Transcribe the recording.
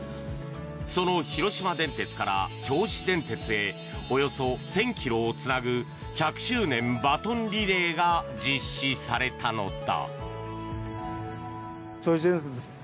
その広島電鉄から銚子電鉄へおよそ１０００ｋｍをつなぐ１００周年バトンリレーが実施されたのだ。